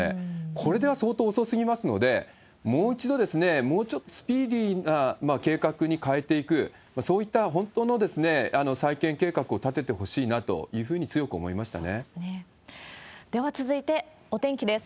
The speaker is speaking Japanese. これでは相当遅すぎますので、もう一度、もうちょっとスピーディーな計画に変えていく、そういった本当の再建計画を立ててほしいなというふうに強く思いでは続いて、お天気です。